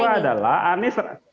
terhadap anak muda ini